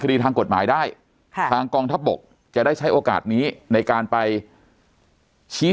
ดีทางกฎหมายได้ค่ะทางกองทัพบกจะได้ใช้โอกาสนี้ในการไปชี้